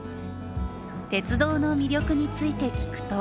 鉄道の魅力について聞くと